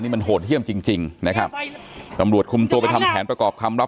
มันโหดเยี่ยมจริงจริงนะครับตำรวจคุมตัวไปทำแผนประกอบคำรับ